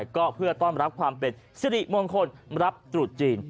ก็เพื่อต้อนรับความเป็นสิริมงคลรับตรุษจีน